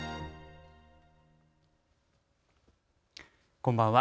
こんばんは。